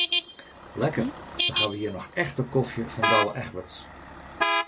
Lekker, se hawwe hjir noch echte kofje fan Douwe Egberts.